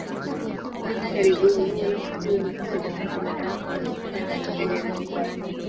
Hivi karibuni, wanafunzi wengine walifanya maandamano kama hayo katika jamii zao.